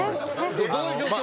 どういう状況？